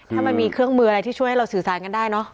ถ้ามันมีเครื่องมืออะไรที่ช่วยให้เราสื่อสารกันได้เนอะ